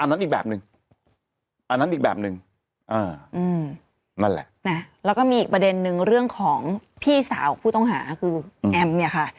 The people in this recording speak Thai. อันนั้นอีกแบบหนึ่งอันนั้นอีกแบบนึงนั่นแหละนะแล้วก็มีอีกประเด็นนึงเรื่องของพี่สาวผู้ต้องหาคือแอมเนี่ยค่ะ